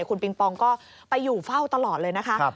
คุณปิงปองก็ไปอยู่เฝ้าตลอดเลยนะคะ